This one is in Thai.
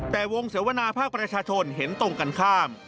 แต่วงเสวนาภาคประชาชนเห็นตรงกันข้าม